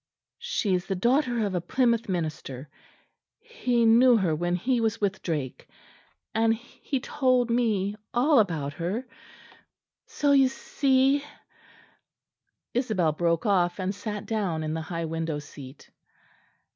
She is the daughter of a Plymouth minister; he knew her when he was with Drake; and he told me all about her, so you see " Isabel broke off; and sat down in the high window seat.